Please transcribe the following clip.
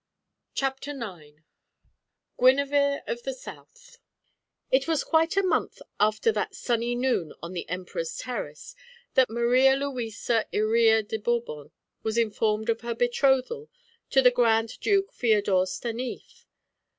CHAPTER IX GUINEVERE OF THE SOUTH It was quite a month after that sunny noon on the Emperor's terrace, that Maria Luisa Iría de Bourbon was informed of her betrothal to the Grand Duke Feodor Stanief.